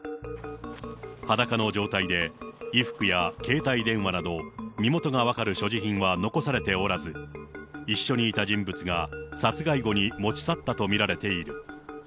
裸の状態で、衣服や携帯電話など、身元が分かる所持品は残されておらず、一緒にいた人物が、殺害後に持ち去ったと見られている。